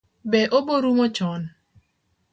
Be obo rumo chon?